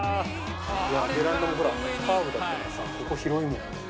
ベランダもカーブだからここ広いもん。